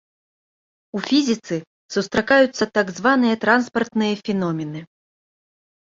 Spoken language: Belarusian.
У фізіцы сустракаюцца так званыя транспартныя феномены.